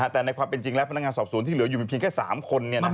แต่ในความเป็นจริงแล้วพนักงานสอบสวนที่เหลืออยู่มีเพียงแค่๓คน